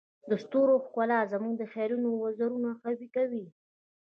د ستورو ښکلا زموږ د خیالونو وزرونه قوي کوي.